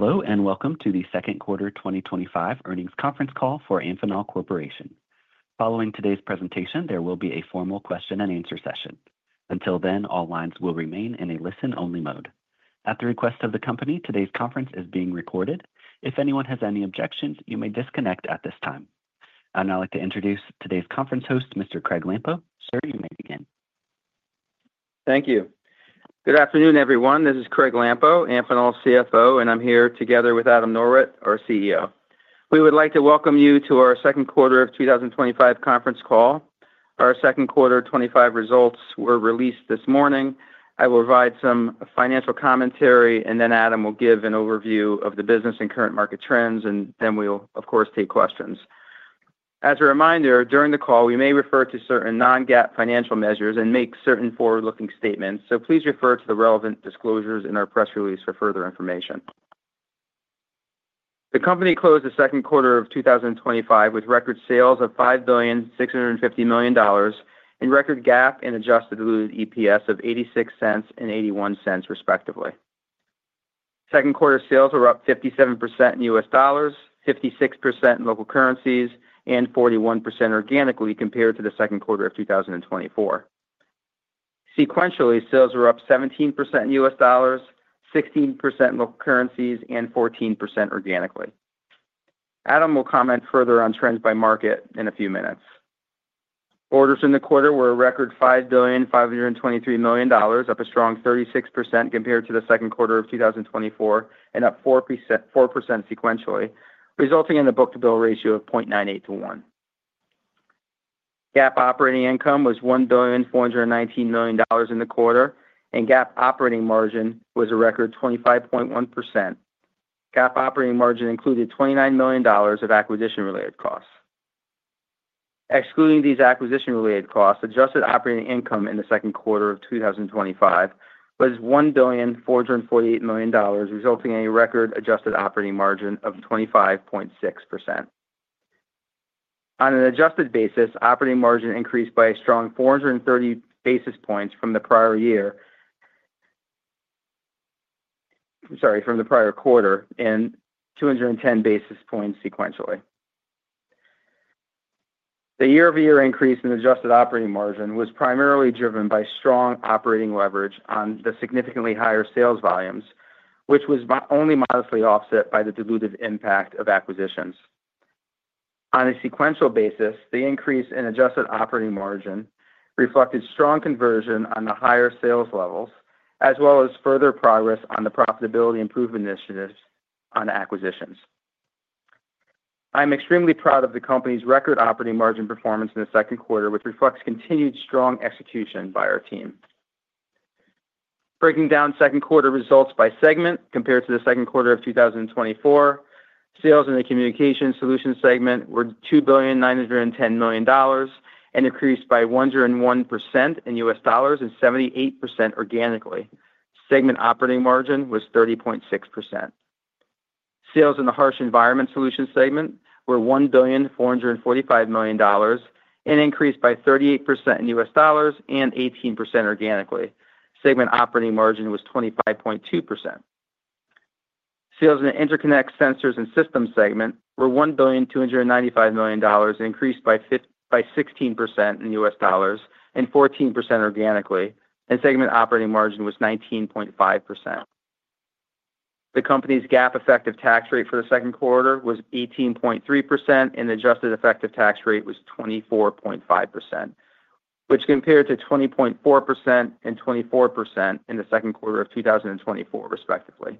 Hello and welcome to the Second Quarter 2025 Earnings Conference Call for Amphenol Corporation. Following today's presentation, there will be a formal question-and-answer session. Until then, all lines will remain in a listen-only mode. At the request of the company, today's conference is being recorded. If anyone has any objections, you may disconnect at this time. I'd now like to introduce today's conference host, Mr. Craig Lampo. Sir, you may begin. Thank you. Good afternoon, everyone. This is Craig Lampo, Amphenol's CFO, and I'm here together with Adam Norwitt, our CEO. We would like to welcome you to our Second Quarter of 2025 Conference Call. Our second quarter 2025 results were released this morning. I will provide some financial commentary, and then Adam will give an overview of the business and current market trends, and then we'll, of course, take questions. As a reminder, during the call, we may refer to certain non-GAAP financial measures and make certain forward-looking statements, so please refer to the relevant disclosures in our press release for further information. The company closed the second quarter of 2025 with record sales of $5.65 billion and record GAAP and adjusted diluted EPS of $0.86 and $0.81, respectively. Second quarter sales were up 57% in US dollars, 56% in local currencies, and 41% organically compared to the second quarter of 2024. Sequentially, sales were up 17% in US dollars, 16% in local currencies, and 14% organically. Adam will comment further on trends by market in a few minutes. Orders in the quarter were a record $5.523 billion, up a strong 36% compared to the second quarter of 2024 and up 4% sequentially, resulting in a book-to-bill ratio of 0.98 to 1. GAAP operating income was $1.419 billion in the quarter, and GAAP operating margin was a record 25.1%. GAAP operating margin included $29 million of acquisition-related costs. Excluding these acquisition-related costs, adjusted operating income in the second quarter of 2025 was $1.448 billion resulting in a record adjusted operating margin of 25.6%. On an adjusted basis, operating margin increased by a strong 430 basis points from the prior year- Sorry, from the prior quarter and 210 basis points sequentially. The year-over-year increase in adjusted operating margin was primarily driven by strong operating leverage on the significantly higher sales volumes, which was only modestly offset by the diluted impact of acquisitions. On a sequential basis, the increase in adjusted operating margin reflected strong conversion on the higher sales levels, as well as further progress on the profitability improvement initiatives on acquisitions. I'm extremely proud of the company's record operating margin performance in the second quarter, which reflects continued strong execution by our team. Breaking down second quarter results by segment compared to the second quarter of 2024, sales in the communication solution segment were $2.91 billion and increased by 101% in US dollars and 78% organically. Segment operating margin was 30.6%. Sales in the harsh environment solution segment were $1.445 billion and increased by 38% in US dollars and 18% organically. Segment operating margin was 25.2%. Sales in the interconnect sensors and systems segment were $1.295 billion increased by 16% in US dollars and 14% organically, and segment operating margin was 19.5%. The company's GAAP effective tax rate for the second quarter was 18.3%, and the adjusted effective tax rate was 24.5%, which compared to 20.4% and 24% in the second quarter of 2024, respectively.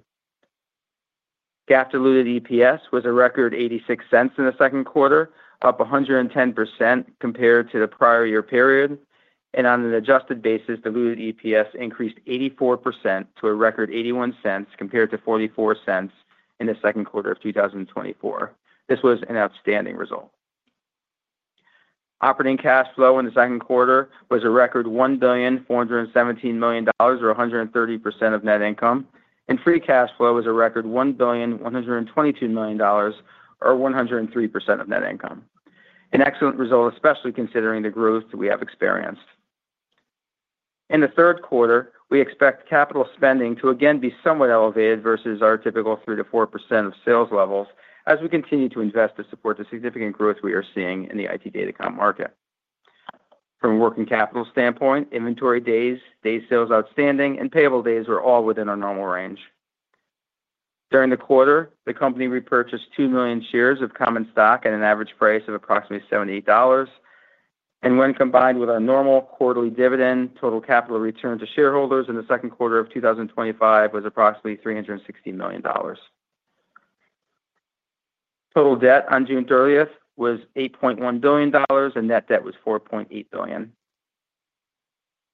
GAAP diluted EPS was a record $0.86 in the second quarter, up 110% compared to the prior year period. On an adjusted basis, diluted EPS increased 84% to a record $0.81 compared to $0.44 in the second quarter of 2024. This was an outstanding result. Operating cash flow in the second quarter was a record $1.417 billion or 130% of net income, and free cash flow was a record $1.122 billion or 103% of net income. An excellent result, especially considering the growth we have experienced. In the third quarter, we expect capital spending to again be somewhat elevated versus our typical 3-4% of sales levels as we continue to invest to support the significant growth we are seeing in the IT Data Comm market. From a working capital standpoint, inventory days, day sales outstanding, and payable days were all within our normal range. During the quarter, the company repurchased 2 million shares of common stock at an average price of approximately $78. When combined with our normal quarterly dividend, total capital return to shareholders in the second quarter of 2025 was approximately $360 million. Total debt on June 30 was $8.1 billion, and net debt was $4.8 billion.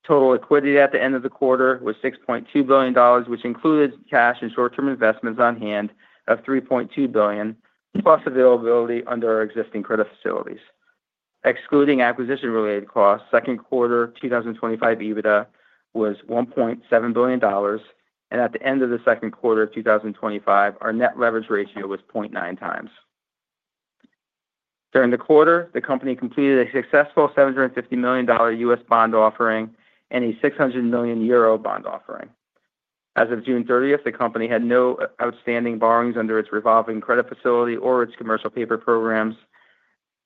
Total liquidity at the end of the quarter was $6.2 billion, which included cash and short-term investments on hand of $3.2 billion, plus availability under our existing credit facilities. Excluding acquisition-related costs, second quarter 2025 EBITDA was $1.7 billion, and at the end of the second quarter of 2025, our net leverage ratio was 0.9 times. During the quarter, the company completed a successful $750million US bond offering and a 600 million euro bond offering. As of June 30, the company had no outstanding borrowings under its revolving credit facility or its commercial paper programs,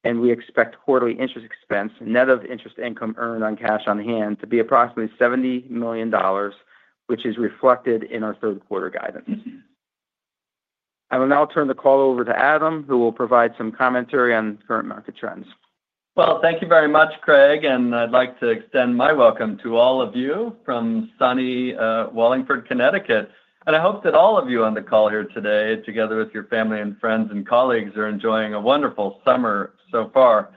and we expect quarterly interest expense, net of interest income earned on cash on hand, to be approximately $70million, which is reflected in our third quarter guidance. I will now turn the call over to Adam, who will provide some commentary on current market trends. Thank you very much, Craig, and I'd like to extend my welcome to all of you from sunny Wallingford, Connecticut. I hope that all of you on the call here today, together with your family and friends and colleagues, are enjoying a wonderful summer so far.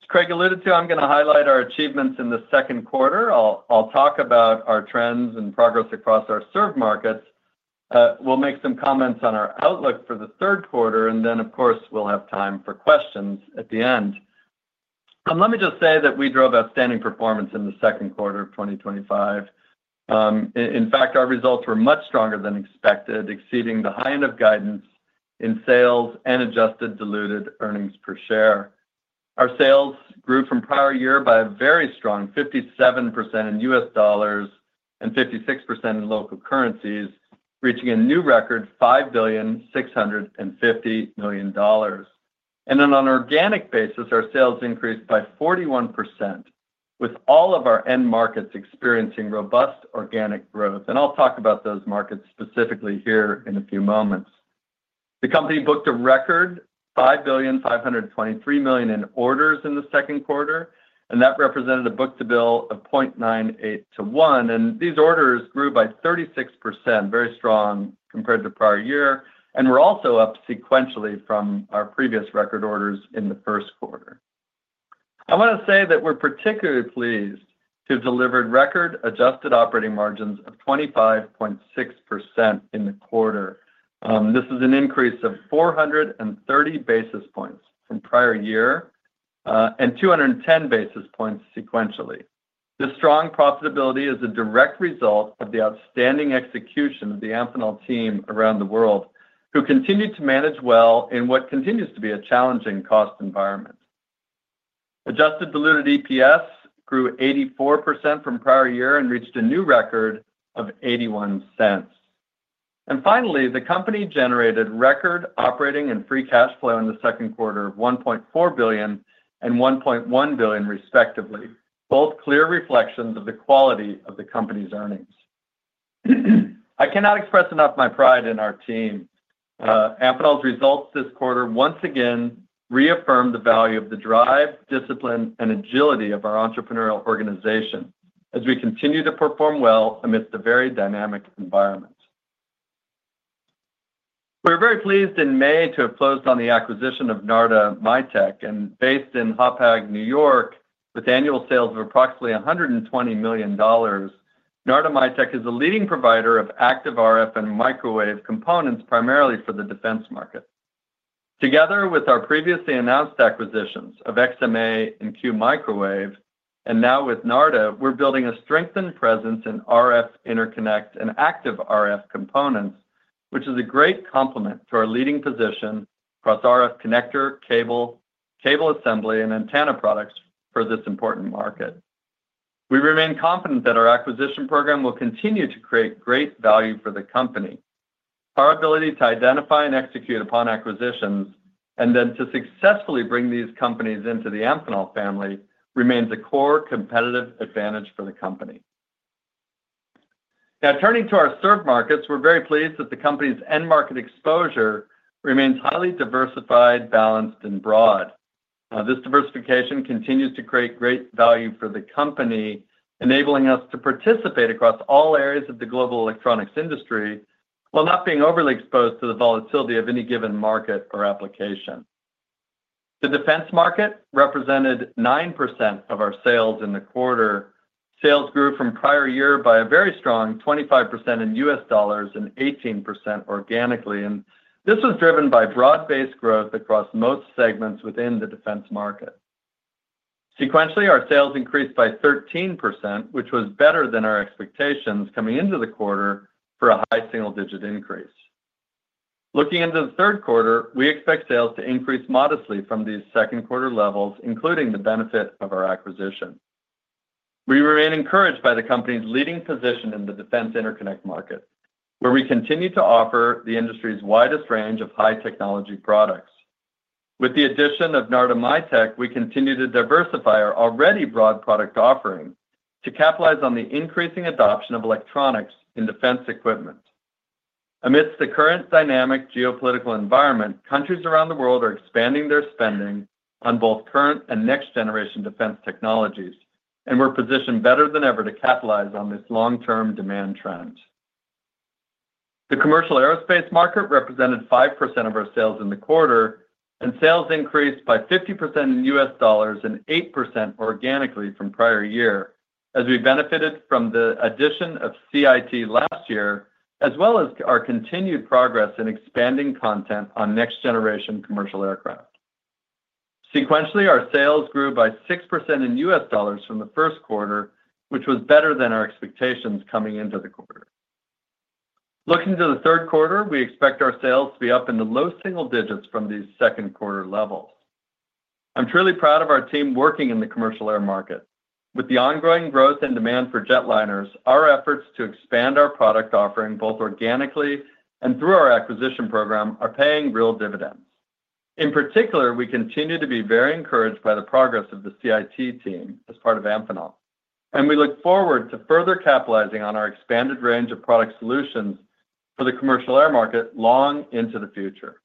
As Craig alluded to, I'm going to highlight our achievements in the second quarter. I'll talk about our trends and progress across our serve markets. We'll make some comments on our outlook for the third quarter, and then, of course, we'll have time for questions at the end. Let me just say that we drove outstanding performance in the second quarter of 2025. In fact, our results were much stronger than expected, exceeding the high end of guidance in sales and adjusted diluted earnings per share. Our sales grew from prior year by a very strong 57% in US dollars and 56% in local currencies, reaching a new record $5.650 billion. On an organic basis, our sales increased by 41%, with all of our end markets experiencing robust organic growth. I'll talk about those markets specifically here in a few moments. The company booked a record $5.523 billion in orders in the second quarter, and that represented a book-to-bill of 0.98 to 1. These orders grew by 36%, very strong compared to prior year, and were also up sequentially from our previous record orders in the first quarter. I want to say that we're particularly pleased to have delivered record adjusted operating margins of 25.6% in the quarter. This is an increase of 430 basis points from prior year and 210 basis points sequentially. This strong profitability is a direct result of the outstanding execution of the Amphenol team around the world, who continued to manage well in what continues to be a challenging cost environment. Adjusted diluted EPS grew 84% from prior year and reached a new record of $0.81. Finally, the company generated record operating and free cash flow in the second quarter of $1.4 billion and $1.1 billion, respectively, both clear reflections of the quality of the company's earnings. I cannot express enough my pride in our team. Amphenol's results this quarter once again reaffirmed the value of the drive, discipline, and agility of our entrepreneurial organization as we continue to perform well amidst a very dynamic environment. We were very pleased in May to have closed on the acquisition of Narda-MITEQ, based in Hauppauge, New York, with annual sales of approximately $120 million. Narda-MITEQ is a leading provider of active RF and microwave components, primarily for the defense market. Together with our previously announced acquisitions of XMA and Q-Microwave, and now with Narda-MITEQ, we're building a strengthened presence in RF interconnect and active RF components, which is a great complement to our leading position across RF connector, cable, cable assembly, and antenna products for this important market. We remain confident that our acquisition program will continue to create great value for the company. Our ability to identify and execute upon acquisitions and then to successfully bring these companies into the Amphenol family remains a core competitive advantage for the company. Now, turning to our served markets, we're very pleased that the company's end market exposure remains highly diversified, balanced, and broad. This diversification continues to create great value for the company, enabling us to participate across all areas of the global electronics industry while not being overly exposed to the volatility of any given market or application. The defense market represented 9% of our sales in the quarter. Sales grew from prior year by a very strong 25% in US dollars and 18% organically, and this was driven by broad-based growth across most segments within the defense market. Sequentially, our sales increased by 13%, which was better than our expectations coming into the quarter for a high single-digit increase. Looking into the third quarter, we expect sales to increase modestly from these second quarter levels, including the benefit of our acquisition. We remain encouraged by the company's leading position in the defense interconnect market, where we continue to offer the industry's widest range of high-technology products. With the addition of Narda-MITEQ, we continue to diversify our already broad product offering to capitalize on the increasing adoption of electronics in defense equipment. Amidst the current dynamic geopolitical environment, countries around the world are expanding their spending on both current and next-generation defense technologies, and we're positioned better than ever to capitalize on this long-term demand trend. The commercial aerospace market represented 5% of our sales in the quarter, and sales increased by 50% in US dollars and 8% organically from prior year as we benefited from the addition of CIT last year, as well as our continued progress in expanding content on next-generation commercial aircraft. Sequentially, our sales grew by 6% in US dollars from the first quarter, which was better than our expectations coming into the quarter. Looking to the third quarter, we expect our sales to be up in the low single digits from these second quarter levels. I'm truly proud of our team working in the commercial air market. With the ongoing growth and demand for jetliners, our efforts to expand our product offering both organically and through our acquisition program are paying real dividends. In particular, we continue to be very encouraged by the progress of the CIT team as part of Amphenol, and we look forward to further capitalizing on our expanded range of product solutions for the commercial air market long into the future.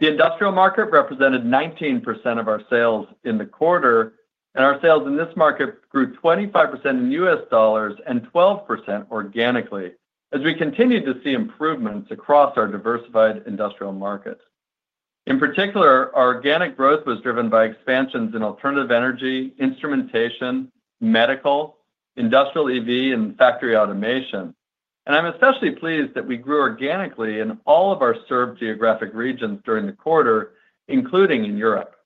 The industrial market represented 19% of our sales in the quarter, and our sales in this market grew 25% in US dollars and 12% organically as we continued to see improvements across our diversified industrial market. In particular, our organic growth was driven by expansions in alternative energy, instrumentation, medical, industrial EV, and factory automation. I'm especially pleased that we grew organically in all of our served geographic regions during the quarter, including in Europe.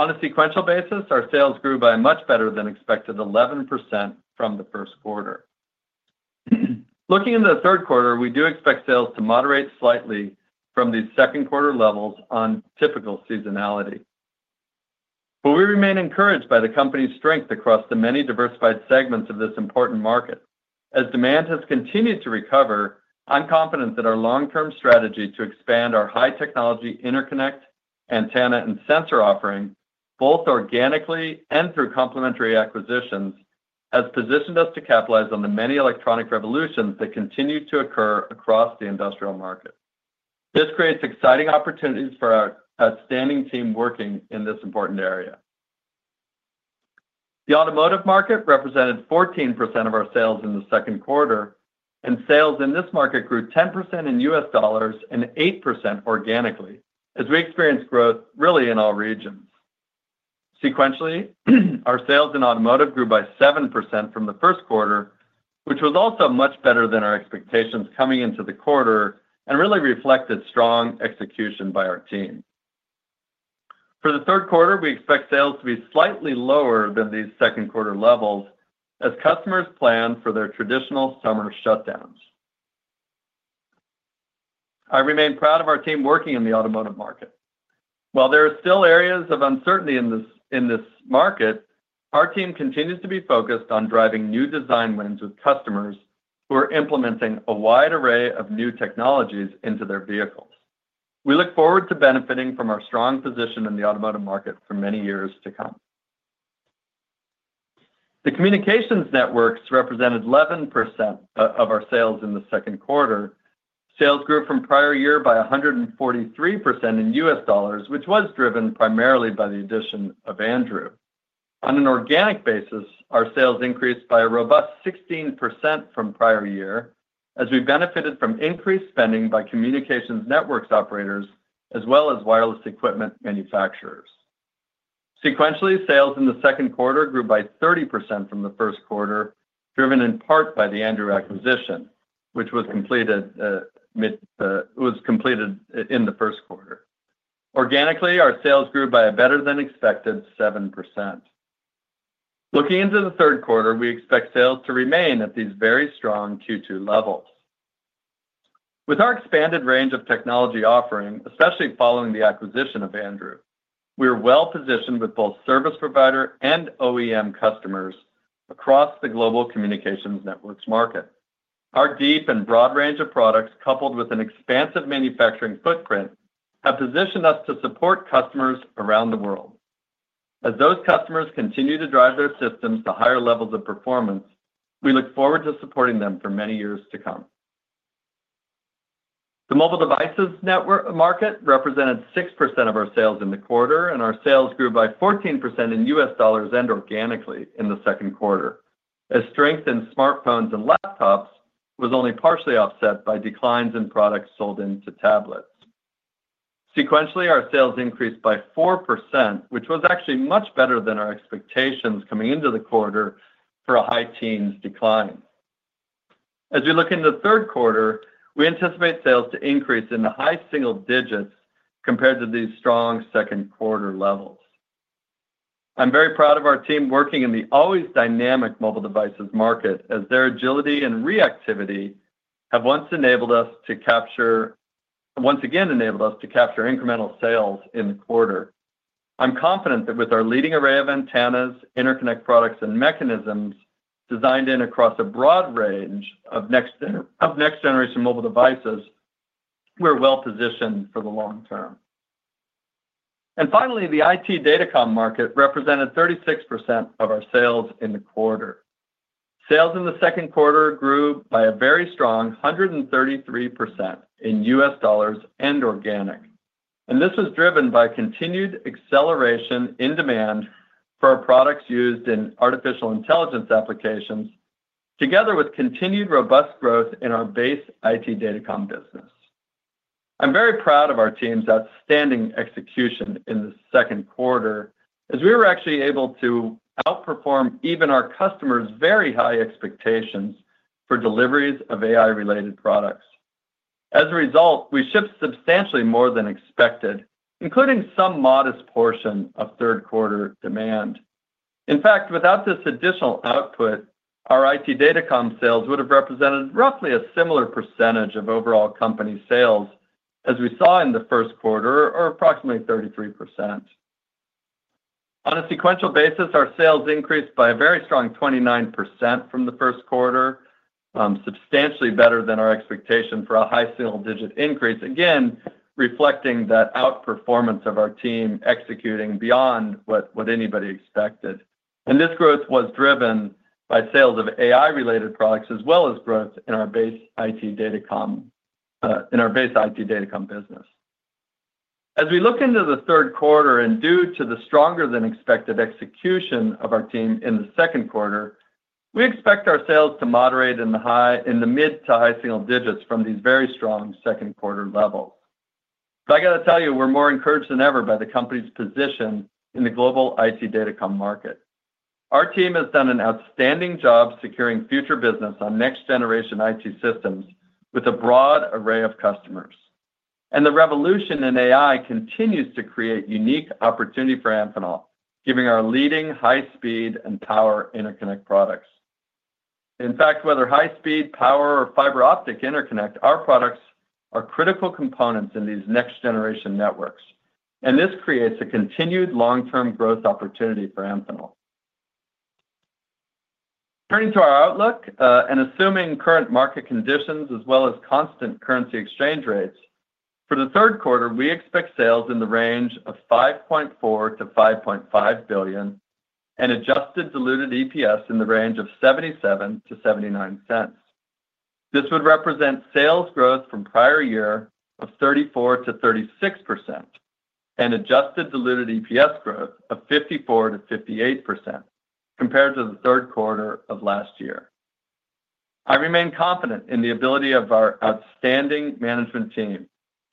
On a sequential basis, our sales grew by a much better than expected 11% from the first quarter. Looking into the third quarter, we do expect sales to moderate slightly from the second quarter levels on typical seasonality. We remain encouraged by the company's strength across the many diversified segments of this important market. As demand has continued to recover, I'm confident that our long-term strategy to expand our high-technology interconnect, antenna, and sensor offering, both organically and through complementary acquisitions, has positioned us to capitalize on the many electronic revolutions that continue to occur across the industrial market. This creates exciting opportunities for our outstanding team working in this important area. The automotive market represented 14% of our sales in the second quarter, and sales in this market grew 10% in US dollars and 8% organically as we experienced growth really in all regions. Sequentially, our sales in automotive grew by 7% from the first quarter, which was also much better than our expectations coming into the quarter and really reflected strong execution by our team. For the third quarter, we expect sales to be slightly lower than these second quarter levels as customers plan for their traditional summer shutdowns. I remain proud of our team working in the automotive market. While there are still areas of uncertainty in this market, our team continues to be focused on driving new design wins with customers who are implementing a wide array of new technologies into their vehicles. We look forward to benefiting from our strong position in the automotive market for many years to come. The communications networks represented 11% of our sales in the second quarter. Sales grew from prior year by 143% in US dollars which was driven primarily by the addition of Andrew. On an organic basis, our sales increased by a robust 16% from prior year as we benefited from increased spending by communications networks operators as well as wireless equipment manufacturers. Sequentially, sales in the second quarter grew by 30% from the first quarter, driven in part by the Andrew acquisition, which was completed in the first quarter. Organically, our sales grew by a better than expected 7%. Looking into the third quarter, we expect sales to remain at these very strong Q2 levels. With our expanded range of technology offering, especially following the acquisition of Andrew. We are well positioned with both service provider and OEM customers across the global communications networks market. Our deep and broad range of products, coupled with an expansive manufacturing footprint, have positioned us to support customers around the world. As those customers continue to drive their systems to higher levels of performance, we look forward to supporting them for many years to come. The mobile devices network market represented 6% of our sales in the quarter, and our sales grew by 14% in $ and organically in the second quarter, as strength in smartphones and laptops was only partially offset by declines in products sold into tablets. Sequentially, our sales increased by 4%, which was actually much better than our expectations coming into the quarter for a high-teens decline. As we look into the third quarter, we anticipate sales to increase in the high single digits compared to these strong second quarter levels. I'm very proud of our team working in the always dynamic mobile devices market, as their agility and reactivity have once again enabled us to capture incremental sales in the quarter. I'm confident that with our leading array of antennas, interconnect products, and mechanisms designed in across a broad range of next-generation mobile devices, we're well positioned for the long term. Finally, the IT Data Comm market represented 36% of our sales in the quarter. Sales in the second quarter grew by a very strong 133% in US dollars and organic. This was driven by continued acceleration in demand for our products used in artificial intelligence applications, together with continued robust growth in our base IT Data Comm business. I'm very proud of our team's outstanding execution in the second quarter, as we were actually able to outperform even our customers' very high expectations for deliveries of AI-related products. As a result, we shipped substantially more than expected, including some modest portion of third quarter demand. In fact, without this additional output, our IT Data Comm sales would have represented roughly a similar percentage of overall company sales as we saw in the first quarter, or approximately 33%. On a sequential basis, our sales increased by a very strong 29% from the first quarter, substantially better than our expectation for a high single-digit increase, again reflecting that outperformance of our team executing beyond what anybody expected. This growth was driven by sales of AI-related products as well as growth in our base IT Data Comm, in our base IT Data Comm business. As we look into the third quarter, and due to the stronger than expected execution of our team in the second quarter, we expect our sales to moderate in the mid to high single digits from these very strong second quarter levels. I got to tell you, we're more encouraged than ever by the company's position in the global IT Data Comm market. Our team has done an outstanding job securing future business on next-generation IT systems with a broad array of customers. The revolution in AI continues to create unique opportunity for Amphenol, giving our leading high-speed and power interconnect products. In fact, whether high-speed, power, or fiber optic interconnect, our products are critical components in these next-generation networks. This creates a continued long-term growth opportunity for Amphenol. Turning to our outlook and assuming current market conditions as well as constant currency exchange rates, for the third quarter, we expect sales in the range of $5.4 billion-$5.5 billion and adjusted diluted EPS in the range of $0.77-$0.79. This would represent sales growth from prior year of 34%-36% and adjusted diluted EPS growth of 54%-58% compared to the third quarter of last year. I remain confident in the ability of our outstanding management team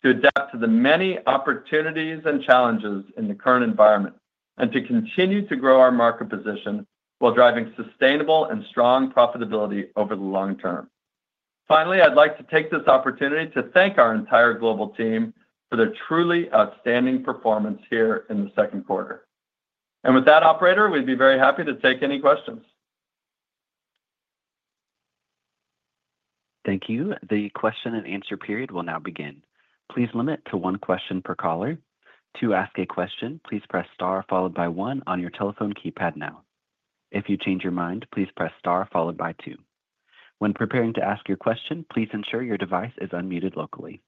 to adapt to the many opportunities and challenges in the current environment and to continue to grow our market position while driving sustainable and strong profitability over the long term. Finally, I'd like to take this opportunity to thank our entire global team for their truly outstanding performance here in the second quarter. With that, Operator, we'd be very happy to take any questions. Thank you. The question and answer period will now begin. Please limit to one question per caller. To ask a question, please press * followed by 1 on your telephone keypad now. If you change your mind, please press * followed by 2. When preparing to ask your question, please ensure your device is unmuted locally.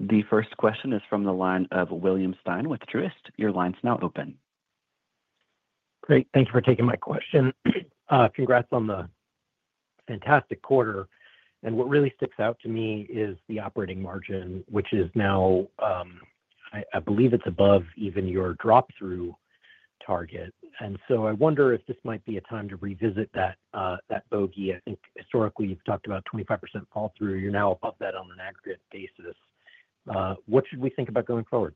The first question is from the line of William Stein with Truist. Your line's now open. Great. Thank you for taking my question. Congrats on the fantastic quarter. And what really sticks out to me is the operating margin, which is now, I believe it's above, even your drop-through target. I wonder if this might be a time to revisit that bogey. I think historically you've talked about 25% fall-through. You're now above that on an aggregate basis. What should we think about going forward?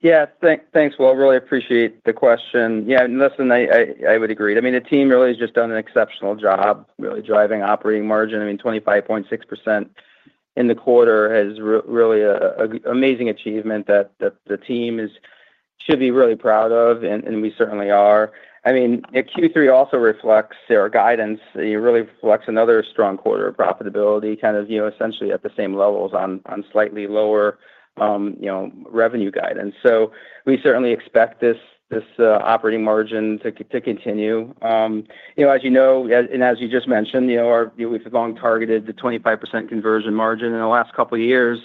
Yeah. Thanks, Will. I really appreciate the question. Yeah. Listen, I would agree. I mean, the team really has just done an exceptional job really driving operating margin. I mean, 25.6% in the quarter is really an amazing achievement that the team should be really proud of, and we certainly are. I mean, Q3 also reflects our guidance. It really reflects another strong quarter of profitability, kind of essentially at the same levels on slightly lower revenue guidance. We certainly expect this operating margin to continue. As you know, and as you just mentioned, we've long targeted the 25% conversion margin in the last couple of years.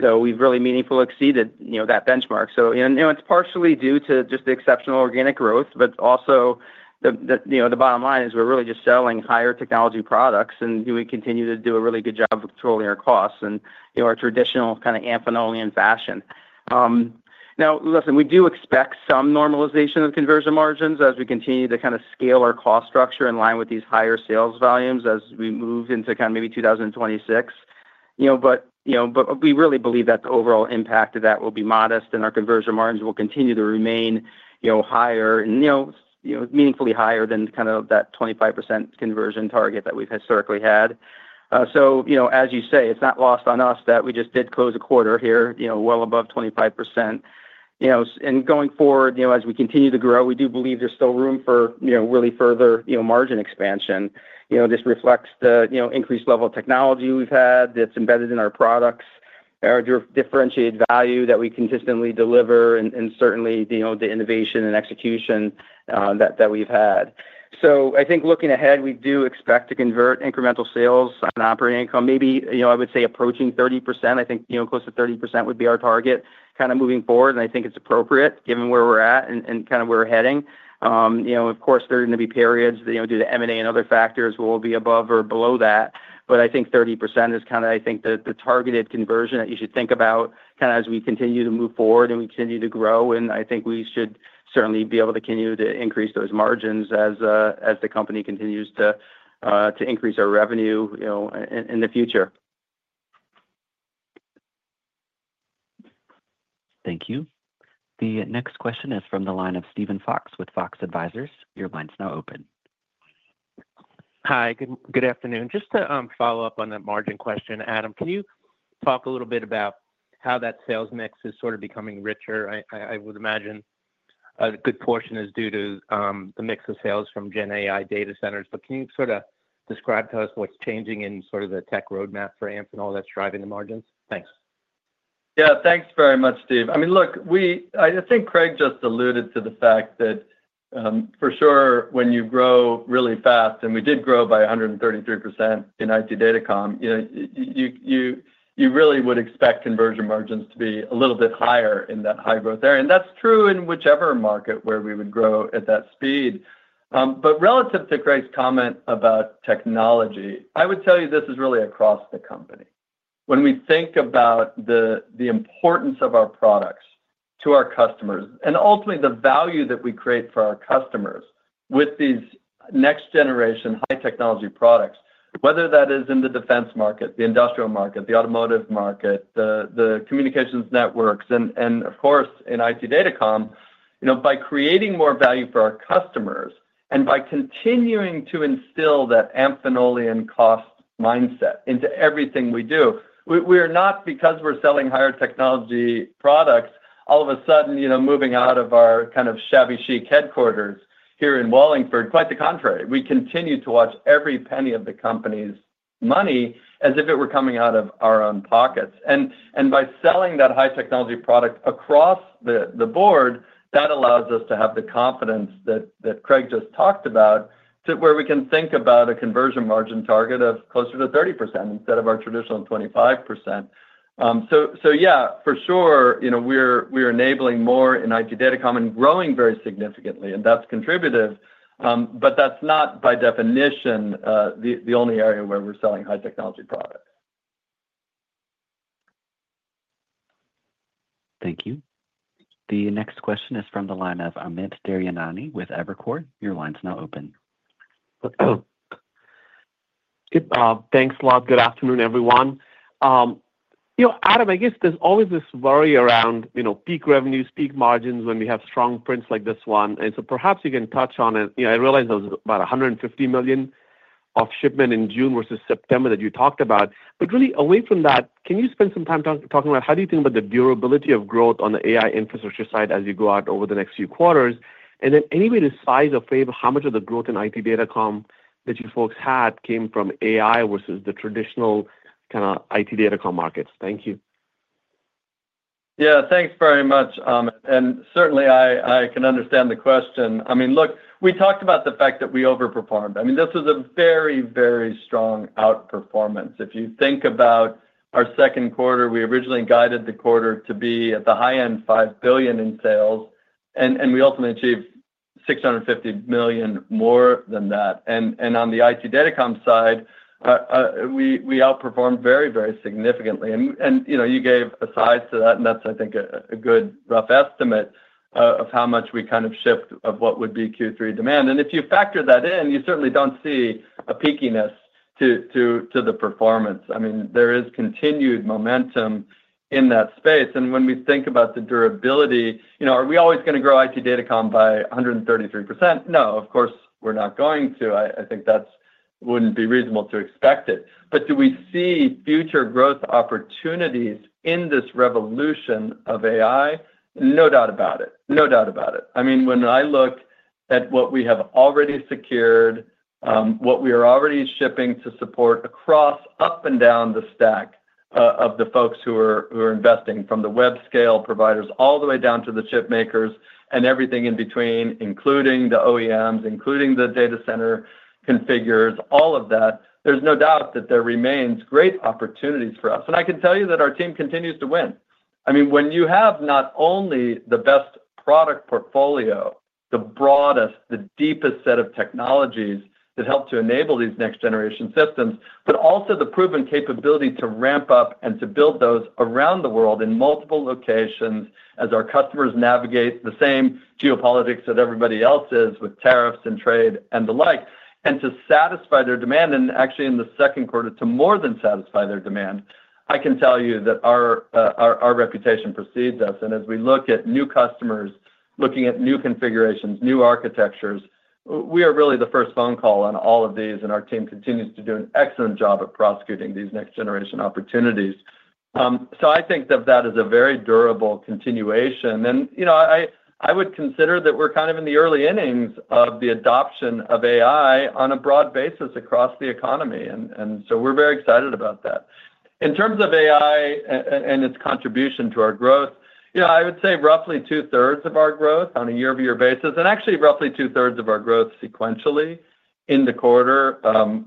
We've really meaningfully exceeded that benchmark. It's partially due to just the exceptional organic growth, but also the bottom line is we're really just selling higher technology products, and we continue to do a really good job of controlling our costs in our traditional kind of Amphenolian fashion. Now, listen, we do expect some normalization of conversion margins as we continue to kind of scale our cost structure in line with these higher sales volumes as we move into kind of maybe 2026. We really believe that the overall impact of that will be modest, and our conversion margins will continue to remain higher and meaningfully higher than kind of that 25% conversion target that we've historically had. As you say, it's not lost on us that we just did close a quarter here well above 25%. Going forward, as we continue to grow, we do believe there's still room for really further margin expansion. This reflects the increased level of technology we've had that's embedded in our products, our differentiated value that we consistently deliver, and certainly the innovation and execution that we've had. I think looking ahead, we do expect to convert incremental sales on operating income, maybe I would say approaching 30%. I think close to 30% would be our target kind of moving forward. I think it's appropriate given where we're at and kind of where we're heading. Of course, there are going to be periods due to M&A and other factors where we'll be above or below that. I think 30% is kind of, I think, the targeted conversion that you should think about kind of as we continue to move forward and we continue to grow. I think we should certainly be able to continue to increase those margins as the company continues to increase our revenue in the future. Thank you. The next question is from the line of Steven Fox with Fox Advisors. Your line's now open. Hi. Good afternoon. Just to follow up on that margin question, Adam, can you talk a little bit about how that sales mix is sort of becoming richer? I would imagine a good portion is due to the mix of sales from GenAI data centers. Can you sort of describe to us what's changing in sort of the tech roadmap for Amphenol that's driving the margins? Thanks. Yeah. Thanks very much, Steve. I mean, look, I think Craig just alluded to the fact that for sure, when you grow really fast, and we did grow by 133% in IT Data Comm, you really would expect conversion margins to be a little bit higher in that high growth area. That's true in whichever market where we would grow at that speed. But, relative to Craig's comment about technology, I would tell you this is really across the company. When we think about the importance of our products to our customers and ultimately the value that we create for our customers with these next-generation high-technology products, whether that is in the defense market, the industrial market, the automotive market, the communications networks, and of course, in IT Data Comm, by creating more value for our customers and by continuing to instill that Amphenolian-cost mindset into everything we do, we are not, because we're selling higher technology products, all of a sudden moving out of our kind of shabby chic headquarters here in Wallingford. Quite the contrary, we continue to watch every penny of the company's money as if it were coming out of our own pockets. By selling that high-technology product across the board, that allows us to have the confidence that Craig just talked about to where we can think about a conversion margin target of closer to 30% instead of our traditional 25%. Yeah, for sure, we're enabling more in IT Data Comm and growing very significantly. That's contributive. That's not by definition the only area where we're selling high-technology products. Thank you. The next question is from the line of Amit Daryanani with Evercore ISI. Your line's now open. Thanks a lot. Good afternoon, everyone. Adam, I guess there's always this worry around peak revenues, peak margins when we have strong prints like this one. Perhaps you can touch on it. I realize there was about $150 million, of shipment in June versus September that you talked about. But really, away from that, can you spend some time talking about how do you think about the durability of growth on the AI infrastructure side as you go out over the next few quarters? And then anyway, the size of how much of the growth in IT Data Comm that you folks had came from AI versus the traditional kind of IT Data Comm markets? Thank you. Yeah. Thanks very much, Amit. And certainly, I can understand the question. I mean, look, we talked about the fact that we overperformed. I mean, this was a very, very strong outperformance. If you think about our second quarter, we originally guided the quarter to be at the high end, $5 billion in sales, and we ultimately achieved $650 million more than that. And on the IT Data Comm side, we outperformed very, very significantly. And you gave a size to that, and that's, I think, a good rough estimate of how much we kind of shipped of what would be Q3 demand. And if you factor that in, you certainly do not see a peakiness to the performance. I mean, there is continued momentum in that space. And when we think about the durability, are we always going to grow IT Data Comm by 133%? No, of course, we are not going to. I think that would not be reasonable to expect it. But do we see future growth opportunities in this revolution of AI? No doubt about it. No doubt about it. I mean, when I look at what we have already secured, what we are already shipping to support across up and down the stack of the folks who are investing from the web scale providers all the way down to the chip makers and everything in between, including the OEMs, including the data center configures, all of that, there is no doubt that there remains great opportunities for us. And I can tell you that our team continues to win. I mean, when you have not only the best product portfolio, the broadest, the deepest set of technologies that help to enable these next-generation systems, but also the proven capability to ramp up and to build those around the world in multiple locations as our customers navigate the same geopolitics that everybody else is with tariffs and trade and the like, and to satisfy their demand. And actually, in the second quarter, to more than satisfy their demand, I can tell you that our reputation precedes us. As we look at new customers, looking at new configurations, new architectures, we are really the first phone call on all of these. And our team continues to do an excellent job of prosecuting these next-generation opportunities. I think that that is a very durable continuation. I would consider that we are kind of in the early innings of the adoption of AI on a broad basis across the economy. We're very excited about that. In terms of AI and its contribution to our growth, I would say roughly two-thirds of our growth on a year-over-year basis, and actually roughly two-thirds of our growth sequentially in the quarter,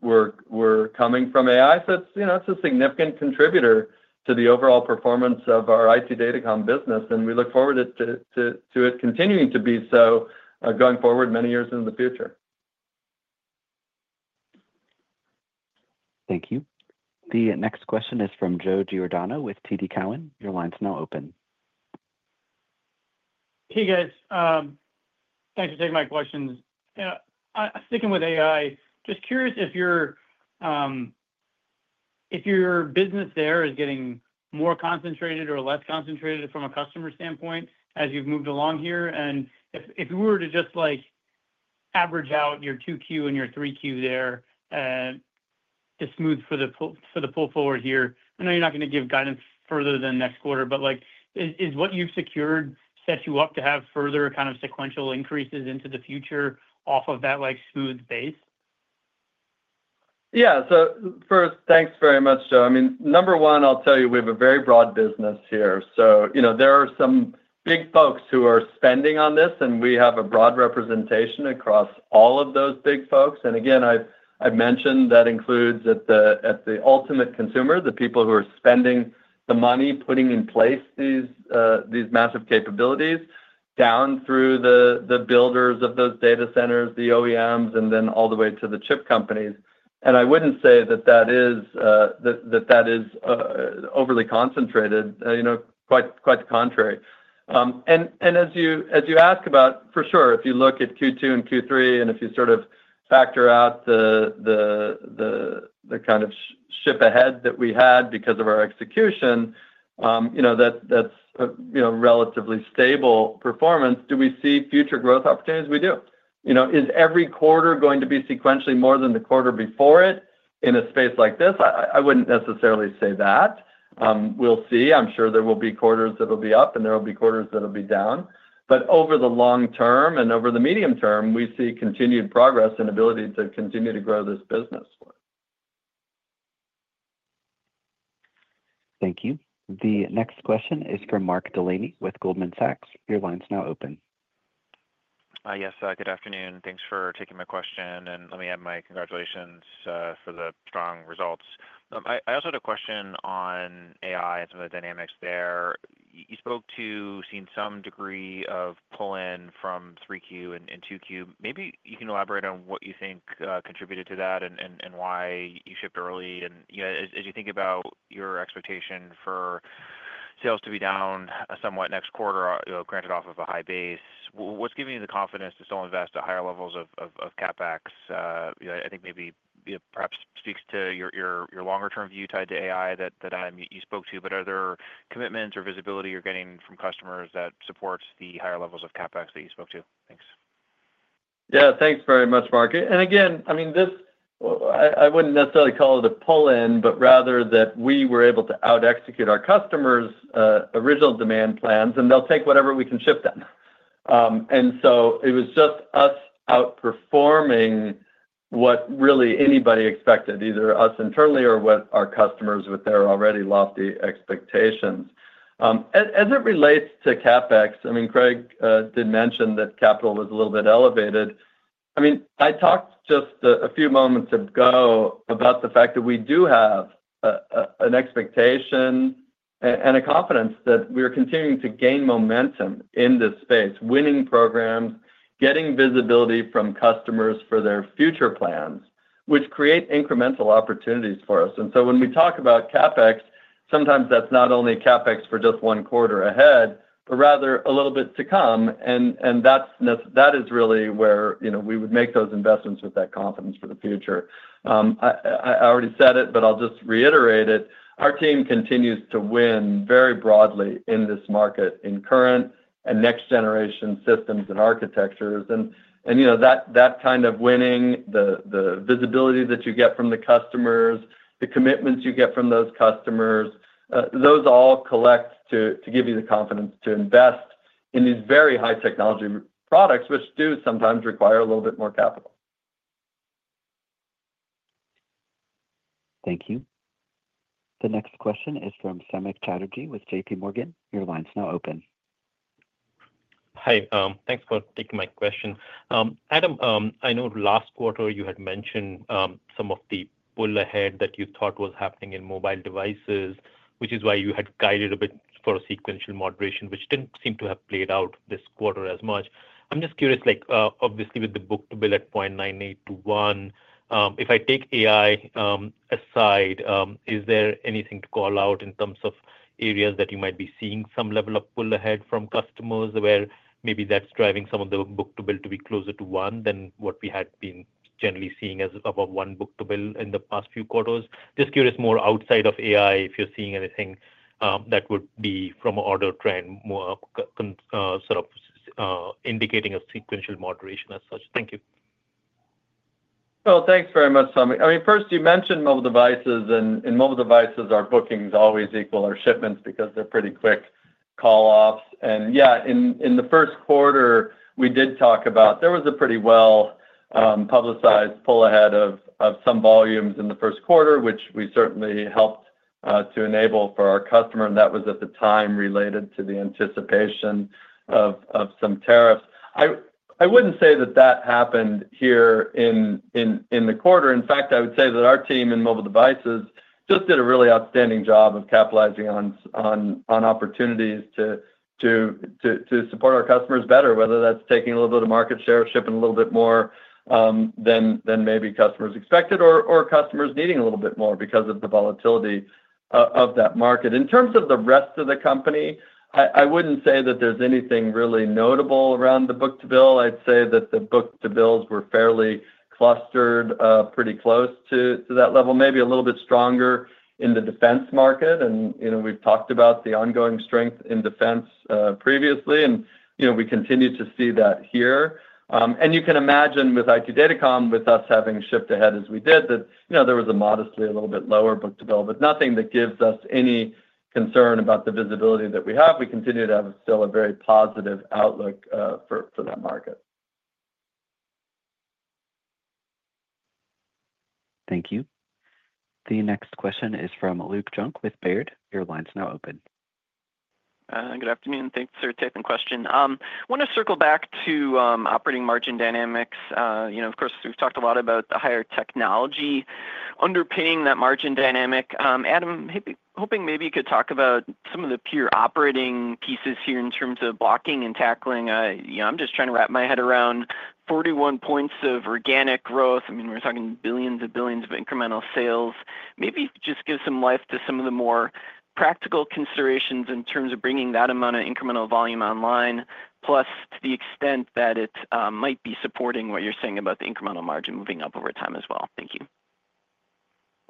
were coming from AI. It's a significant contributor to the overall performance of our IT Data Comm business. We look forward to it continuing to be so going forward many years in the future. Thank you. The next question is from Joe Giordano with TD Cowen. Your line's now open. Hey, guys. Thanks for taking my questions. Sticking with AI, just curious if your business there is getting more concentrated or less concentrated from a customer standpoint as you've moved along here. If you were to just average out your 2Q and your 3Q there to smooth for the pull forward here, I know you're not going to give guidance further than next quarter, but is what you've secured set you up to have further kind of sequential increases into the future off of that smooth base? Yeah. First, thanks very much, Joe. Number one, I'll tell you we have a very broad business here. There are some big folks who are spending on this, and we have a broad representation across all of those big folks. Again, I've mentioned that includes at the ultimate consumer, the people who are spending the money putting in place these massive capabilities down through the builders of those data centers, the OEMs, and then all the way to the chip companies. I wouldn't say that that is overly concentrated. Quite the contrary. As you ask about, for sure, if you look at Q2 and Q3, and if you sort of factor out the kind of ship ahead that we had because of our execution, that's relatively stable performance. Do we see future growth opportunities? We do. Is every quarter going to be sequentially more than the quarter before it in a space like this? I wouldn't necessarily say that. We'll see. I'm sure there will be quarters that will be up, and there will be quarters that will be down. Over the long term and over the medium term, we see continued progress and ability to continue to grow this business. Thank you. The next question is from Mark Delaney with Goldman Sachs. Your line's now open. Yes. Good afternoon. Thanks for taking my question. Let me add my congratulations for the strong results. I also had a question on AI and some of the dynamics there. You spoke to seeing some degree of pull-in from 3Q and 2Q. Maybe you can elaborate on what you think contributed to that and why you shipped early? As you think about your expectation for sales to be down somewhat next quarter, granted off of a high base, what's giving you the confidence to still invest at higher levels of CapEx? I think maybe perhaps speaks to your longer-term view tied to AI that you spoke to. But are there commitments or visibility you're getting from customers that supports the higher levels of CapEx that you spoke to? Thanks. Yeah. Thanks very much, Mark. I mean, I wouldn't necessarily call it a pull-in, but rather that we were able to out-execute our customers' original demand plans, and they'll take whatever we can ship them. It was just us outperforming what really anybody expected, either us internally or what our customers with their already lofty expectations. As it relates to CapEx, I mean, Craig did mention that capital was a little bit elevated. I talked just a few moments ago about the fact that we do have an expectation and a confidence that we are continuing to gain momentum in this space, winning programs, getting visibility from customers for their future plans, which create incremental opportunities for us. When we talk about CapEx, sometimes that's not only CapEx for just one quarter ahead, but rather a little bit to come. That is really where we would make those investments with that confidence for the future. I already said it, but I'll just reiterate it. Our team continues to win very broadly in this market in current and next-generation systems and architectures. That kind of winning, the visibility that you get from the customers, the commitments you get from those customers, those all collect to give you the confidence to invest in these very high-technology products, which do sometimes require a little bit more capital. Thank you. The next question is from Samik Chatterjee with JPMorgan. Your line's now open. Hi. Thanks for taking my question. Adam, I know last quarter you had mentioned some of the pull ahead that you thought was happening in mobile devices, which is why you had guided a bit for sequential moderation, which didn't seem to have played out this quarter as much. I'm just curious, obviously, with the book-to-bill at 0.98-1, if I take AI aside, is there anything to call out in terms of areas that you might be seeing some level of pull ahead from customers where maybe that's driving some of the book-to-bill to be closer to 1 than what we had been generally seeing as above 1 book-to-bill in the past few quarters? Just curious more outside of AI, if you're seeing anything that would be from an order trend, sort of indicating a sequential moderation as such? Thank you. Oh, thanks very much, Samik. I mean, first, you mentioned mobile devices. In mobile devices, our bookings always equal our shipments because they're pretty quick call-offs. In the first quarter, we did talk about there was a pretty well-publicized pull ahead of some volumes in the first quarter, which we certainly helped to enable for our customer. That was at the time related to the anticipation of some tariffs. I would not say that that happened here in the quarter. In fact, I would say that our team in mobile devices just did a really outstanding job of capitalizing on opportunities to support our customers better, whether that is taking a little bit of market share, shipping a little bit more than maybe customers expected, or customers needing a little bit more because of the volatility of that market. In terms of the rest of the company, I would not say that there is anything really notable around the book-to-bill. I would say that the book-to-bills were fairly clustered pretty close to that level, maybe a little bit stronger in the defense market. We have talked about the ongoing strength in defense previously, and we continue to see that here. You can imagine with IT Data Comm, with us having shipped ahead as we did, that there was modestly a little bit lower book-to-bill, but nothing that gives us any concern about the visibility that we have. We continue to have still a very positive outlook for that market. Thank you. The next question is from Luke Junk with Baird. Your line is now open. Good afternoon. Thanks for taking the question. I want to circle back to operating margin dynamics. Of course, we have talked a lot about the higher technology underpinning that margin dynamic. Adam, hoping maybe you could talk about some of the pure operating pieces here in terms of blocking and tackling. I am just trying to wrap my head around 41 points of organic growth. I mean, we are talking billions and billions of incremental sales. Maybe just give some life to some of the more practical considerations in terms of bringing that amount of incremental volume online, plus to the extent that it might be supporting what you are saying about the incremental margin moving up over time as well. Thank you.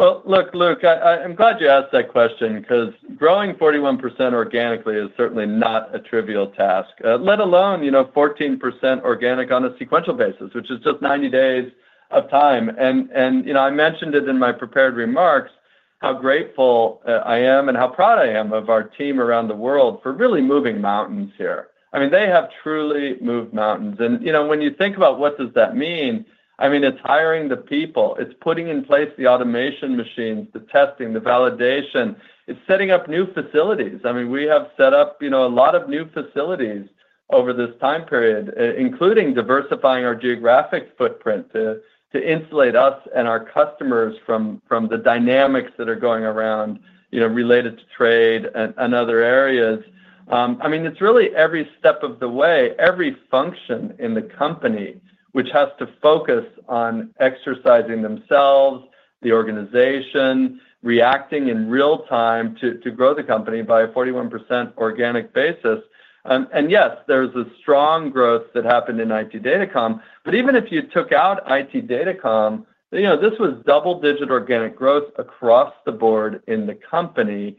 Luke, I am glad you asked that question because growing 41% organically is certainly not a trivial task, let alone 14% organic on a sequential basis, which is just 90 days of time. I mentioned it in my prepared remarks, how grateful I am and how proud I am of our team around the world for really moving mountains here. I mean, they have truly moved mountains. When you think about what does that mean, I mean, it is hiring the people. It is putting in place the automation machines, the testing, the validation. It is setting up new facilities. We have set up a lot of new facilities over this time period, including diversifying our geographic footprint to insulate us and our customers from the dynamics that are going around related to trade and other areas. It is really every step of the way, every function in the company, which has to focus on exercising themselves, the organization, reacting in real time to grow the company by a 41% organic basis. Yes, there is a strong growth that happened in IT Data Comm. Even if you took out IT Data Comm, this was double-digit organic growth across the board in the company.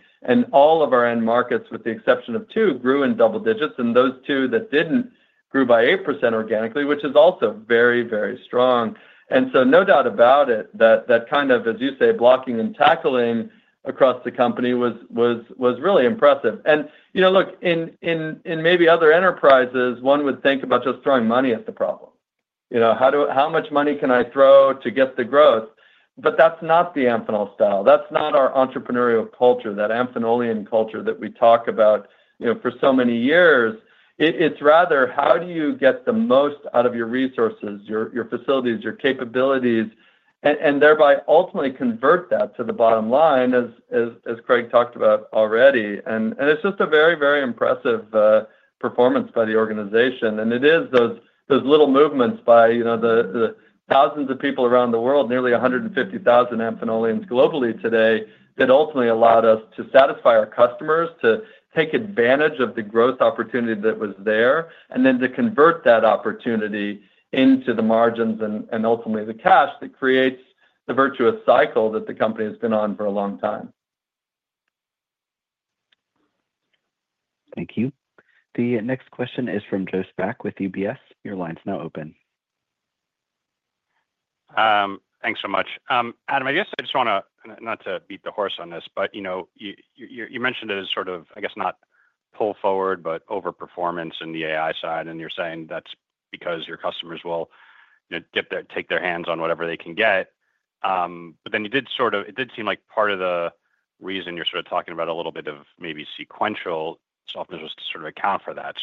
All of our end markets, with the exception of two, grew in double digits. Those two that did not grew by 8% organically, which is also very, very strong. No doubt about it, that kind of, as you say, blocking and tackling across the company was really impressive. Look, in maybe other enterprises, one would think about just throwing money at the problem. How much money can I throw to get the growth? That is not the Amphenol style. That is not our entrepreneurial culture, that Amphenolian culture that we talk about for so many years. It is rather, how do you get the most out of your resources, your facilities, your capabilities, and thereby ultimately convert that to the bottom line, as Craig talked about already. It is just a very, very impressive performance by the organization. It is those little movements by the thousands of people around the world, nearly 150,000 Amphenolians globally today, that ultimately allowed us to satisfy our customers, to take advantage of the growth opportunity that was there, and then to convert that opportunity into the margins and ultimately the cash that creates the virtuous cycle that the company has been on for a long time. Thank you. The next question is from Joe Spak with UBS. Your line is now open. Thanks so much. Adam, I guess I just want to, not to beat the horse on this, but you mentioned it as sort of, I guess, not pull forward, but overperformance on the AI side. You are saying that is because your customers will take their hands on whatever they can get. Then you did sort of, it did seem like part of the reason you are sort of talking about a little bit of maybe sequential software was to sort of account for that.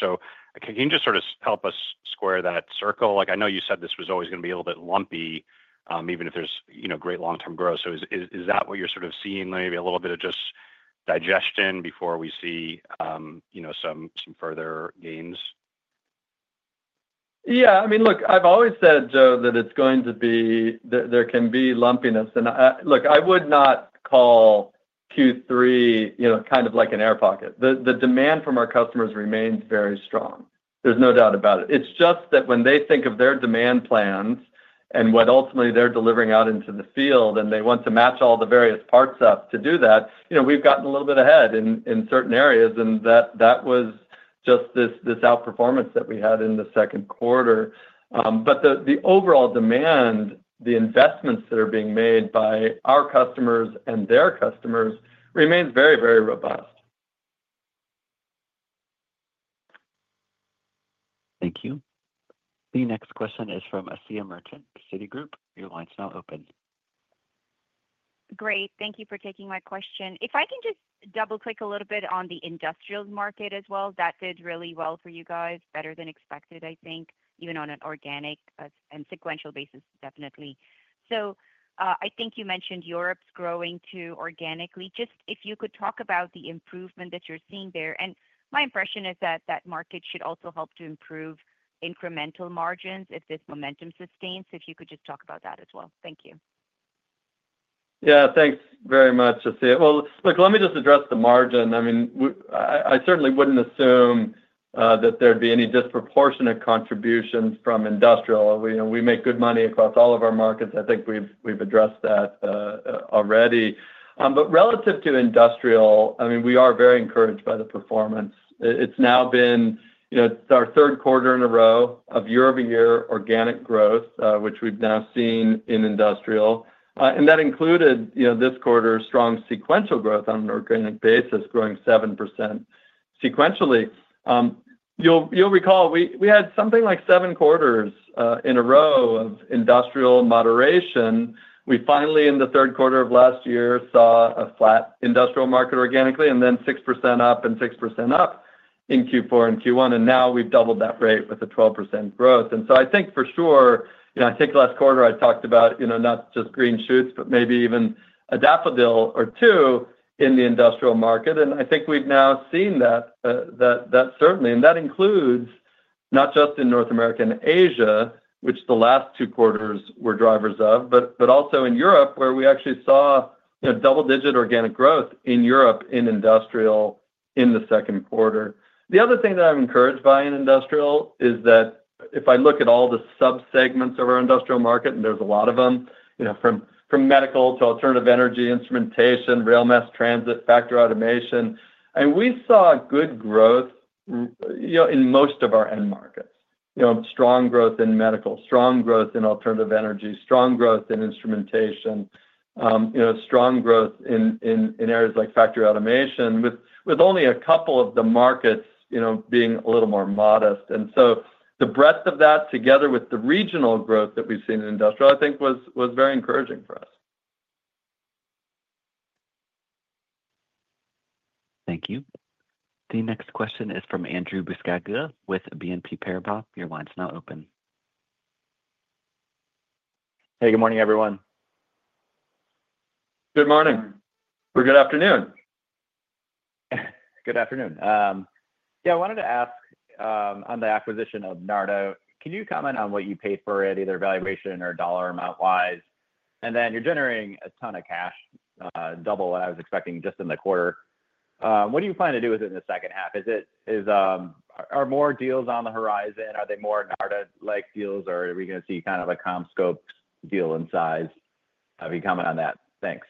Can you just sort of help us square that circle? I know you said this was always going to be a little bit lumpy, even if there is great long-term growth. Is that what you are sort of seeing, maybe a little bit of just digestion before we see some further gains? Yeah. I mean, look, I have always said, Joe, that it is going to be, there can be lumpiness. I would not call Q3 kind of like an air pocket. The demand from our customers remains very strong. There is no doubt about it. It is just that when they think of their demand plans and what ultimately they are delivering out into the field, and they want to match all the various parts up to do that, we have gotten a little bit ahead in certain areas. That was just this outperformance that we had in the second quarter. But the overall demand, the investments that are being made by our customers and their customers remains very, very robust. Thank you. The next question is from Asiya Merchant, Citigroup. Your line's now open. Great. Thank you for taking my question. If I can just double-click a little bit on the industrial market as well, that did really well for you guys, better than expected, I think, even on an organic and sequential basis, definitely. I think you mentioned Europe's growing too organically. Just if you could talk about the improvement that you're seeing there? And my impression is that that market should also help to improve incremental margins if this momentum sustains. If you could just talk about that as well? Thank you. Yeah. Thanks very much, Asiya. Let me just address the margin. I mean, I certainly wouldn't assume that there'd be any disproportionate contributions from industrial. We make good money across all of our markets. I think we've addressed that already. Relative to industrial, I mean, we are very encouraged by the performance. It's now been our third quarter in a row of year-over-year organic growth, which we've now seen in industrial. That included this quarter's strong sequential growth on an organic basis, growing 7% sequentially. You'll recall we had something like seven quarters in a row of industrial moderation. We finally, in the third quarter of last year, saw a flat industrial market organically, and then 6% up and 6% up in Q4 and Q1. Now we've doubled that rate with a 12% growth. I think for sure, I think last quarter I talked about not just green shoots, but maybe even adaptability or two in the industrial market. I think we've now seen that, certainly. That includes not just in North America and Asia, which the last two quarters were drivers of, but also in Europe, where we actually saw double-digit organic growth in Europe in industrial in the second quarter. The other thing that I'm encouraged by in industrial is that if I look at all the subsegments of our industrial market, and there's a lot of them, from medical to alternative energy, instrumentation, rail mass transit, factory automation, I mean, we saw good growth in most of our end markets. Strong growth in medical, strong growth in alternative energy, strong growth in instrumentation. Strong growth in areas like factory automation, with only a couple of the markets being a little more modest. The breadth of that, together with the regional growth that we've seen in industrial, I think was very encouraging for us. Thank you. The next question is from Andrew Buscaglia with BNP Paribas Exane. Your line's now open. Hey, good morning, everyone. Good morning. Or good afternoon. Good afternoon. Yeah, I wanted to ask on the acquisition of Narda-MITEQ. Can you comment on what you paid for it, either valuation or dollar amount-wise? And then you're generating a ton of cash, double what I was expecting just in the quarter. What do you plan to do with it in the second half? Are more deals on the horizon? Are they more Narda-like deals, or are we going to see kind of a CommScope deal in size? How do you comment on that? Thanks.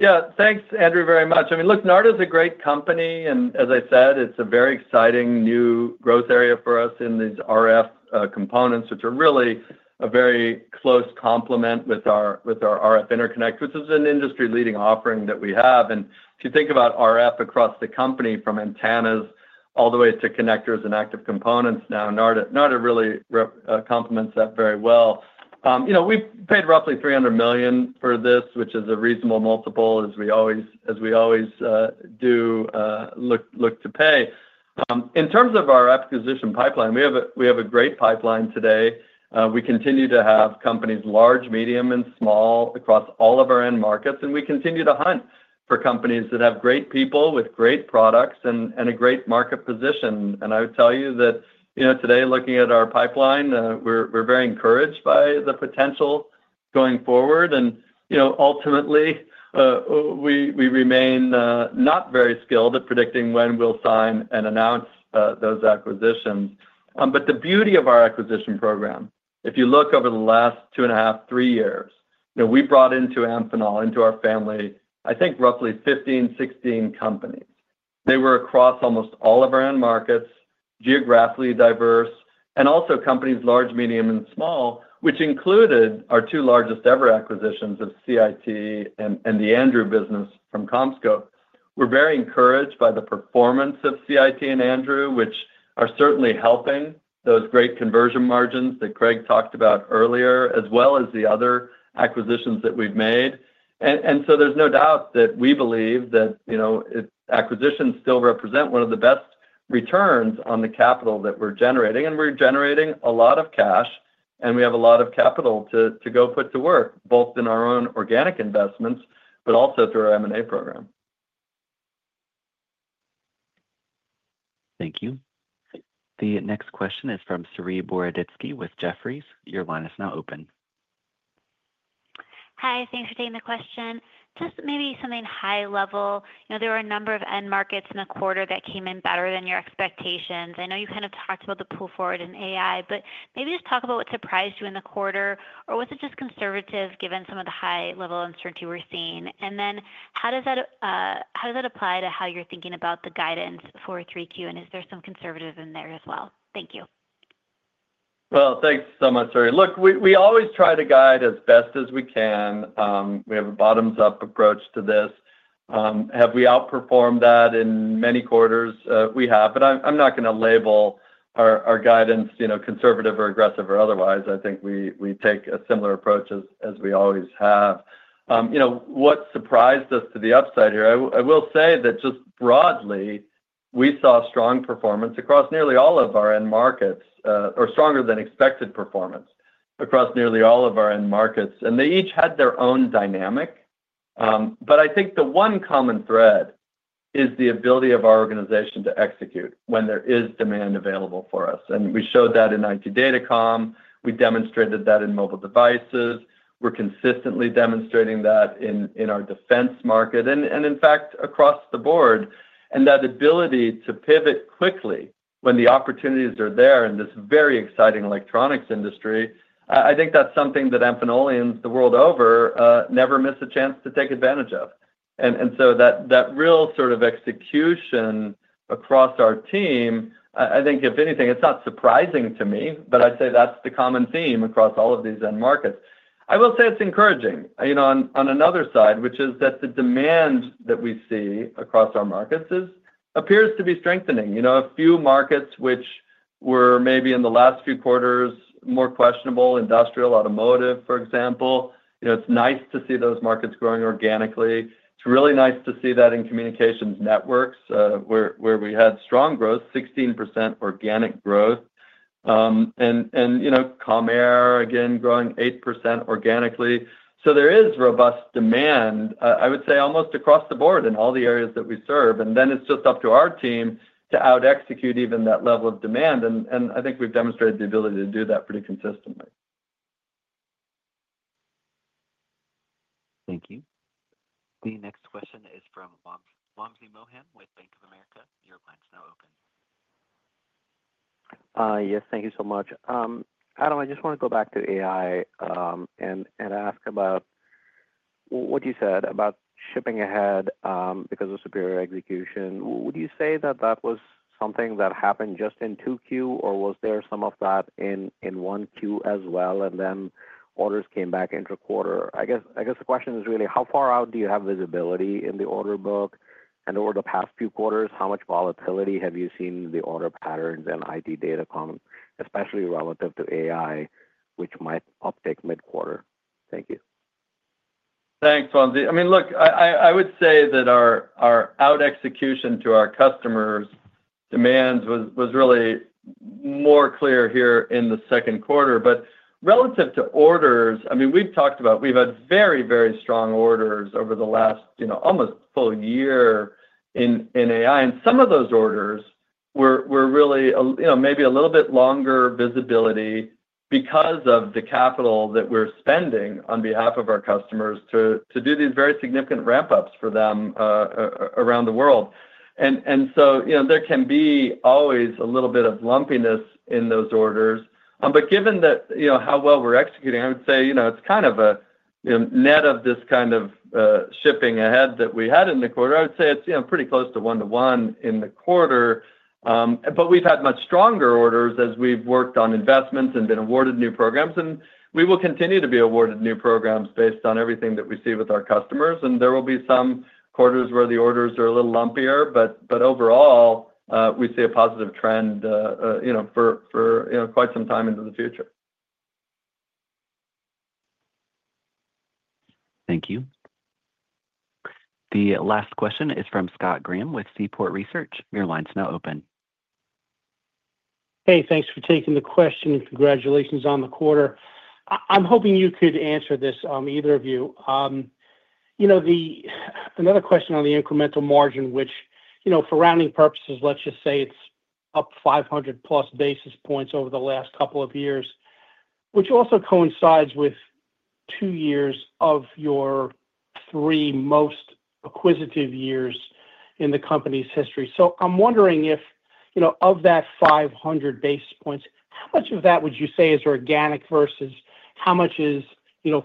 Yeah. Thanks, Andrew, very much. I mean, look, Narda is a great company. And as I said, it's a very exciting new growth area for us in these RF components, which are really a very close complement with our RF interconnect, which is an industry-leading offering that we have. If you think about RF across the company, from antennas all the way to connectors and active components, now Narda really complements that very well. We paid roughly $300 million for this, which is a reasonable multiple, as we always do look to pay. In terms of our acquisition pipeline, we have a great pipeline today. We continue to have companies, large, medium, and small, across all of our end markets. We continue to hunt for companies that have great people with great products and a great market position. I would tell you that today, looking at our pipeline, we're very encouraged by the potential going forward. Ultimately, we remain not very skilled at predicting when we'll sign and announce those acquisitions. The beauty of our acquisition program, if you look over the last two and a half, three years, we brought into Amphenol, into our family, I think roughly 15-16 companies. They were across almost all of our end markets, geographically diverse, and also companies large, medium, and small, which included our two largest ever acquisitions of CIT and the Andrew business from CommScope. We're very encouraged by the performance of CIT and Andrew, which are certainly helping those great conversion margins that Craig talked about earlier, as well as the other acquisitions that we've made. There's no doubt that we believe that acquisitions still represent one of the best returns on the capital that we're generating. We're generating a lot of cash, and we have a lot of capital to go put to work, both in our own organic investments, but also through our M&A program. Thank you. The next question is from Serena Boroditsky with Jefferies. Your line is now open. Hi. Thanks for taking the question. Just maybe something high level. There were a number of end markets in the quarter that came in better than your expectations. I know you kind of talked about the pull forward in AI, but maybe just talk about what surprised you in the quarter. Or was it just conservative, given some of the high-level uncertainty we're seeing? How does that apply to how you're thinking about the guidance for 3Q? Is there some conservativism there as well? Thank you. Thanks so much, Serena. Look, we always try to guide as best as we can. We have a bottoms-up approach to this. Have we outperformed that in many quarters? We have. I am not going to label our guidance conservative or aggressive or otherwise. I think we take a similar approach as we always have. What surprised us to the upside here? I will say that just broadly, we saw strong performance across nearly all of our end markets, or stronger-than-expected performance across nearly all of our end markets. They each had their own dynamic. I think the one common thread is the ability of our organization to execute when there is demand available for us. We showed that in IT Data Comm. We demonstrated that in mobile devices. We are consistently demonstrating that in our defense market and, in fact, across the board. That ability to pivot quickly when the opportunities are there in this very exciting electronics industry, I think that is something that Amphenolians, the world over, never miss a chance to take advantage of. That real sort of execution across our team, I think, if anything, it is not surprising to me, but I would say that is the common theme across all of these end markets. I will say it is encouraging on another side, which is that the demand that we see across our markets appears to be strengthening. A few markets which were maybe in the last few quarters more questionable, industrial, automotive, for example, it is nice to see those markets growing organically. It is really nice to see that in communications networks, where we had strong growth, 16% organic growth. Comair, again, growing 8% organically. There is robust demand, I would say, almost across the board in all the areas that we serve. It is just up to our team to out-execute even that level of demand. I think we have demonstrated the ability to do that pretty consistently. Thank you. The next question is from Wamsi Mohan with Bank of America. Your line is now open. Yes. Thank you so much. Adam, I just want to go back to AI and ask about what you said about shipping ahead because of superior execution. Would you say that that was something that happened just in 2Q, or was there some of that in 1Q as well, and then orders came back into quarter? I guess the question is really, how far out do you have visibility in the order book? Over the past few quarters, how much volatility have you seen in the order patterns in IT Data Comm, especially relative to AI, which might uptake mid-quarter? Thank you. Thanks, Wamsi. I mean, look, I would say that our out-execution to our customers' demands was really more clear here in the second quarter. Relative to orders, I mean, we have talked about we have had very, very strong orders over the last almost full year in AI. Some of those orders were really maybe a little bit longer visibility because of the capital that we're spending on behalf of our customers to do these very significant ramp-ups for them around the world. There can be always a little bit of lumpiness in those orders. Given how well we're executing, I would say it's kind of a net of this kind of shipping ahead that we had in the quarter. I would say it's pretty close to one-to-one in the quarter. We've had much stronger orders as we've worked on investments and been awarded new programs. We will continue to be awarded new programs based on everything that we see with our customers. There will be some quarters where the orders are a little lumpier. Overall, we see a positive trend for quite some time into the future. Thank you. The last question is from Scott Graham with Seaport Research. Your line's now open. Hey, thanks for taking the question. Congratulations on the quarter. I'm hoping you could answer this, either of you. Another question on the incremental margin, which for rounding purposes, let's just say it's up 500-plus basis points over the last couple of years, which also coincides with two years of your three most acquisitive years in the company's history. I'm wondering if, of that 500 basis points, how much of that would you say is organic versus how much is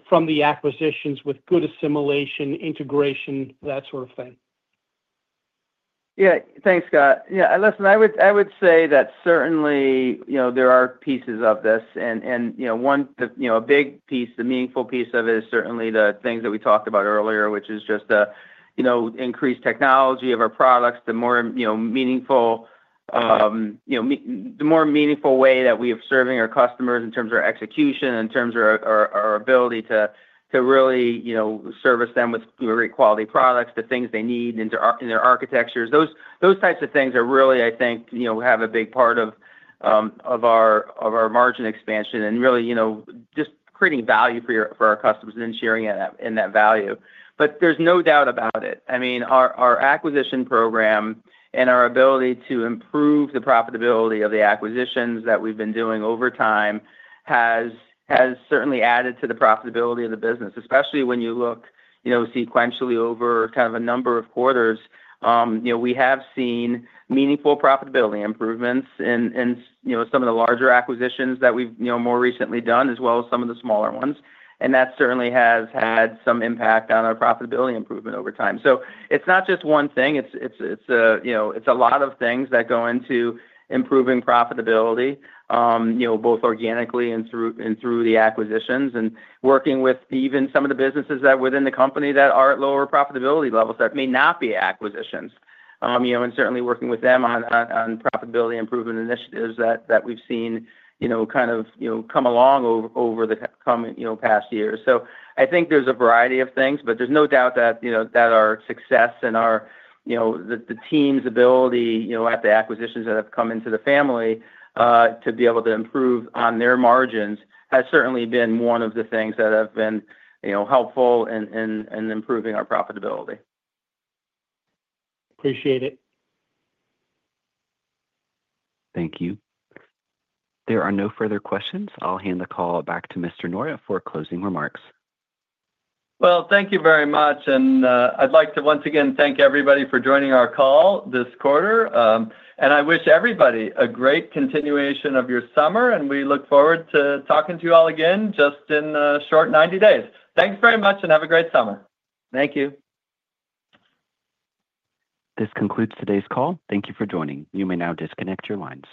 from the acquisitions with good assimilation, integration, that sort of thing? Yeah. Thanks, Scott. Yeah. Listen, I would say that certainly there are pieces of this. A big piece, the meaningful piece of it is certainly the things that we talked about earlier, which is just the increased technology of our products, the more meaningful way that we are serving our customers in terms of our execution, in terms of our ability to really service them with great quality products, the things they need in their architectures. Those types of things are really, I think, have a big part of our margin expansion and really just creating value for our customers and then sharing in that value. There's no doubt about it. I mean, our acquisition program and our ability to improve the profitability of the acquisitions that we've been doing over time has certainly added to the profitability of the business, especially when you look sequentially over kind of a number of quarters. We have seen meaningful profitability improvements in some of the larger acquisitions that we've more recently done, as well as some of the smaller ones. That certainly has had some impact on our profitability improvement over time. It's not just one thing. It's a lot of things that go into improving profitability, both organically and through the acquisitions and working with even some of the businesses that are within the company that are at lower profitability levels that may not be acquisitions. Certainly working with them on profitability improvement initiatives that we've seen kind of come along over the past years. I think there's a variety of things, but there's no doubt that our success and the team's ability at the acquisitions that have come into the family to be able to improve on their margins has certainly been one of the things that have been helpful in improving our profitability. Appreciate it. Thank you. There are no further questions. I'll hand the call back to Mr. Norwitt for closing remarks. Thank you very much. I'd like to once again thank everybody for joining our call this quarter. I wish everybody a great continuation of your summer. We look forward to talking to you all again just in a short 90 days. Thanks very much, and have a great summer. Thank you. This concludes today's call. Thank you for joining. You may now disconnect your lines.